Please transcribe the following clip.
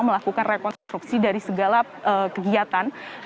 melakukan rekonstruksi dari segala kegiatan